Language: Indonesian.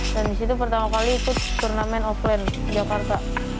dan di situ pertama kali ikut turnamen offline jakarta